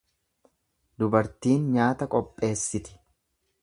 Dubartiin nyaata qopheessiti.